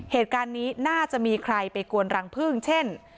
เหตุการณ์นี้น่าจะมีใครไปกวนรังพึ่งเช่น